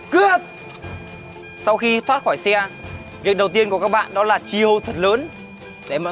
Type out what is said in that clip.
cướp sau khi thoát khỏi xe việc đầu tiên của các bạn đó là chiêu thật lớn để mọi